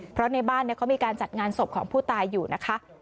เพราะในบ้านเขามีการจัดงานศพของผู้ตายอยู่นะคะ